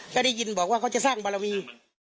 ก็ได้ยินบอกว่าเขาจะสร้างบารมี